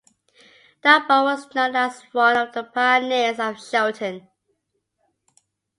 Dunbar was known as one of the pioneers of Shelton.